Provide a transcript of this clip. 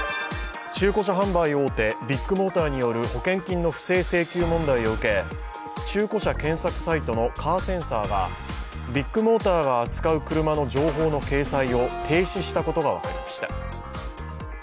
中古車販売大手ビッグモーターによる保険金の不正請求問題を受け中古車検索サイトのカーセンサーがビッグモーターが扱う車の情報の掲載を停止したことが分かりました。